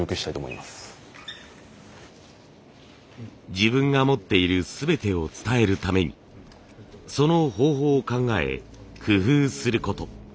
自分が持っている全てを伝えるためにその方法を考え工夫すること。